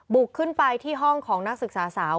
บุกขึ้นไปที่ห้องของนักศึกษาสาว